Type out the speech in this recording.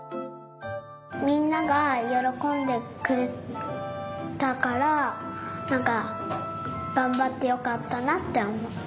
みんながよろこんでくれたからがんばってよかったなっておもう。